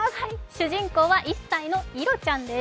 主人公は１歳のいろちゃんです。